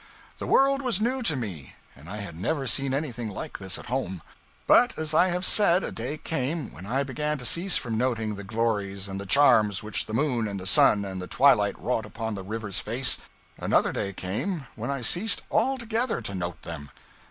The world was new to me, and I had never seen anything like this at home. But as I have said, a day came when I began to cease from noting the glories and the charms which the moon and the sun and the twilight wrought upon the river's face; another day came when I ceased altogether to note them.